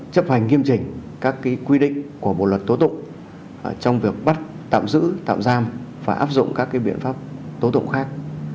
chấp hành nghiêm trình các quy định của bộ luật tố tụng trong việc bắt tạm giữ tạm giam và áp dụng các biện pháp tố tụng khác